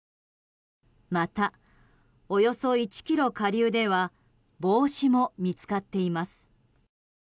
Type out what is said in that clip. また、およそ１ｋｍ下流では帽子も見つかっています。